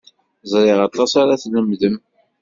Ẓriɣ aṭas ara d-tlemdem.